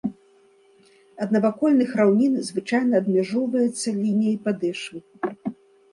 Ад навакольных раўнін звычайна адмяжоўваецца лініяй падэшвы.